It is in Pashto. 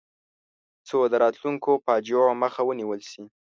څو د راتلونکو فاجعو مخه ونیول شي.